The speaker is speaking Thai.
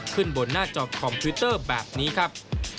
ขึ้นบนหน้าจอคอมพิวเตอร์แบบนี้ครับ